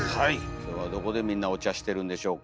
今日はどこでみんなお茶してるんでしょうか。